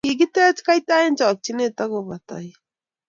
Kikitech kaita eng chokchinee ak kobo toik.